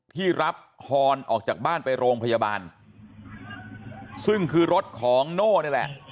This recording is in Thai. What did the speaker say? ที่รับฮอนออกจากบ้านไปโรงพยาบาลซึ่งคือรถของโน่นี่แหละ